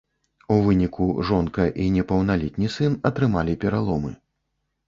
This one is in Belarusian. У выніку жонка і непаўналетні сын атрымалі пераломы.